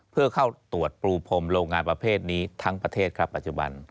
เพื่อเข้าตรวจปรูพรมโรงงานประเภทนี้ทั้งประเทศครับปัจจุบัน